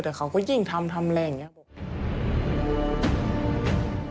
แต่เขาก็ยิ่งทำทำแรงอย่างนี้